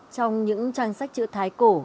trong những trang sách chữ thái cổ